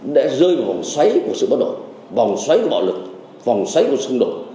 để rơi vào vòng xoáy của sự bất ổn vòng xoáy của bạo lực vòng xoáy của xung đột